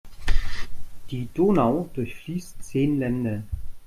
Die Donau durchfließt zehn Länder.